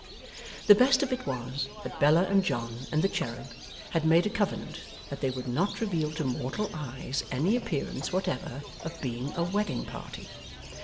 The best of it was, that Bella and John and the cherub had made a covenant that they would not reveal to mortal eyes any appearance whatever of being a wedding party.